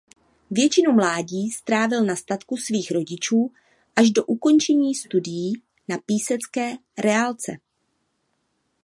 Většinu mládí strávil na statku svých rodičů až do ukončení studií na písecké reálce.